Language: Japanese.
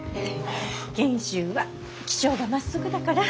賢秀は気性がまっすぐだから。